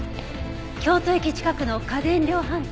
京都駅近くの家電量販店？